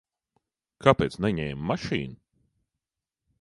Kāpēc neņēma mašīnu?